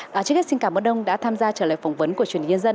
và trước hết xin cảm ơn ông đã tham gia trả lời phỏng vấn của truyền nhân dân